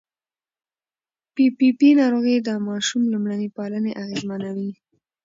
پي پي پي ناروغي د ماشوم لومړني پالنې اغېزمنوي.